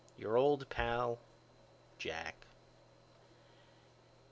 Your old pal, JACK.